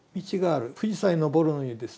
富士山に登るのにですね